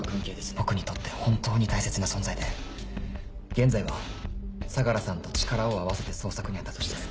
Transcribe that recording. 僕にとって本当に大切な存在で現在は相良さんと力を合わせて捜索に当たっています。